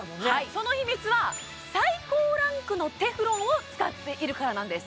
その秘密は最高ランクのテフロンを使っているからなんです